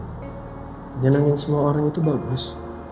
nyelangin semua orang itu bagus